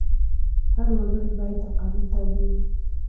هر وګړی باید د قانون تابع وي.